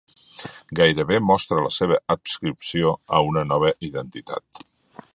Gairebé mostra la seva adscripció a una nova identitat.